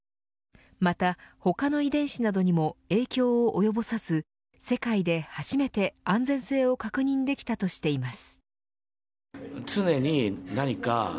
また、他の遺伝子などにも影響を及ぼさず世界で初めて安全性を確認できたとしています。